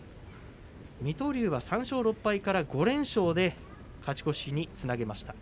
水戸龍は３勝６敗から５連勝で勝ち越しにつなげました。